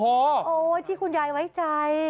โอ้โหที่คุณยายไว้ใจ